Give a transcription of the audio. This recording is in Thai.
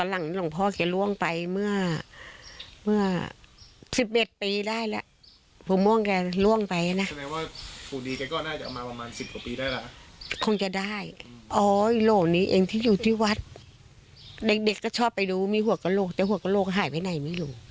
เฮ้ยโหลดนี้เองที่อยู่ที่วัดเด็กก็ชอบไปดูมีหัวกละโลกแต่หัวกละโลกหายไปไหนไม่รู้